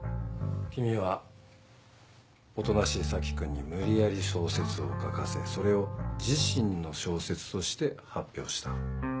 君はおとなしい佐木君に無理やり小説を書かせそれを自身の小説として発表した。